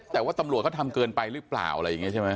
แต่ว่าตำรวจเขาทำเกินไปหรือเปล่าอะไรอย่างนี้ใช่ไหม